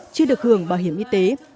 chưa được hưởng bảo hiểm y tế